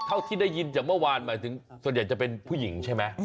ที่ได้ยินจากเมื่อวานหมายถึงส่วนใหญ่จะเป็นผู้หญิงใช่ไหม